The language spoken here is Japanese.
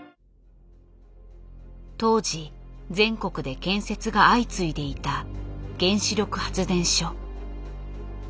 当時全国で建設が相次いでいた原子力発電所。